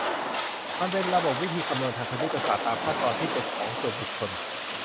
มันเป็นระบบวิธีคำนวณทางคณิตศาสตร์ตามขั้นตอนที่เป็นของส่วนบุคคล